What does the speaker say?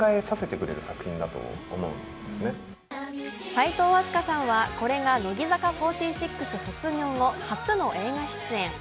齋藤飛鳥さんは、これが乃木坂４６卒業後初の映画出演。